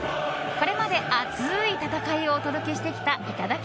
これまで熱い戦いをお届けしてきたいただき！